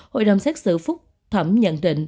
hội đồng xét xử phúc thẩm nhận định